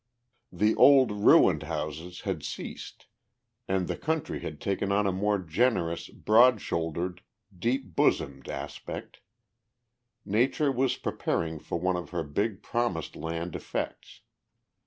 The old ruined houses had ceased, and the country had taken on a more generous, broad shouldered, deep bosomed aspect. Nature was preparing for one of her big Promised Land effects.